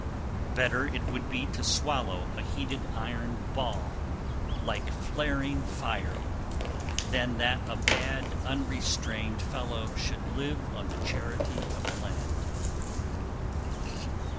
308. Better it would be to swallow a heated iron ball, like flaring fire, than that a bad unrestrained fellow should live on the charity of the land.